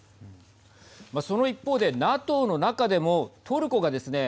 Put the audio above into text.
その一方で、ＮＡＴＯの中でもトルコがですね